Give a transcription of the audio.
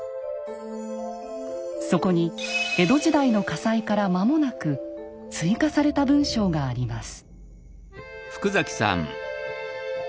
そこに江戸時代の火災から間もなく追加された文章があります。